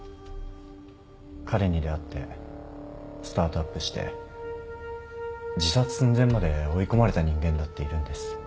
彼に出会ってスタートアップして自殺寸前まで追い込まれた人間だっているんです。